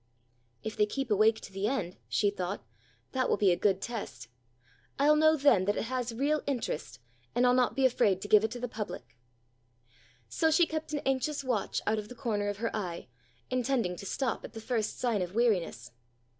"If they keep awake to the end," she thought, "that will be a good test. I'll know then that it has real interest and I'll not be afraid to give it to the public." So she kept an anxious watch out of the corner of her eye, intending to stop at the first sign of weariness.